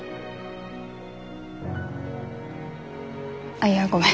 あっいやごめん。